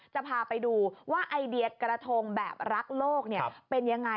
จะพาไปดูว่าไอเดียกระทงแบบรักโลกเป็นยังไง